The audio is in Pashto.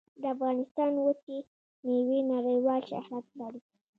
د افغانستان وچې میوې نړیوال شهرت لري